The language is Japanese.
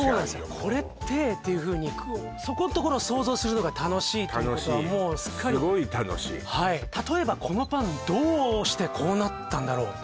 これってっていうふうにそこんところを想像するのが楽しいということはもうすっかりすごい楽しい例えばこのパンどうしてこうなったんだろう？って